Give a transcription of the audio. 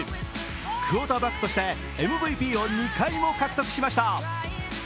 クオーターバックとしてＭＶＰを２回も獲得しました。